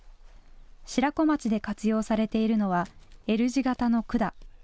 白子町で活用されているのはＬ字型の管。